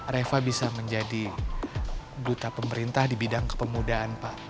reva bisa menjadi duta pemerintah di bidang kepemudaan pak